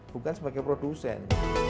bukan sebagai produsen